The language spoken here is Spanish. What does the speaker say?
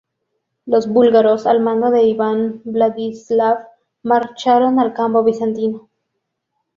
Los búlgaros al mando de Iván Vladislav marcharon al campo bizantino.